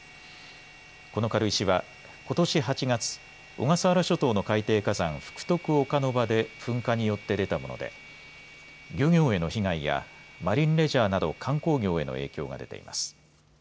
この軽石はことし８月、小笠原諸島の海底火山、福徳岡ノ場で噴火によって出たもので漁業への被害やマリンレジャーなど観光業への影響が出ています。